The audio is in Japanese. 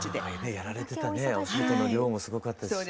やられてたねお仕事の量もすごかったし。